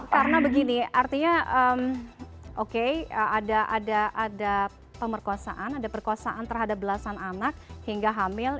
karena begini artinya oke ada pemerkosaan ada perkosaan terhadap belasan anak hingga hamil